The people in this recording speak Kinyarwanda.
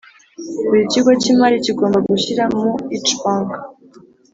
Buri kigo cy imari kigomba gushyira mu Each bank